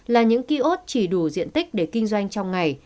là những kiosk chỉ đủ diện tích để kinh doanh trong ngày